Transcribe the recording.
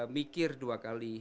mikir dua kali